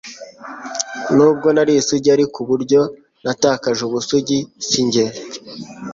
n'ubwo ntari isugi ariko uburyo natakaje ubusugi sinjye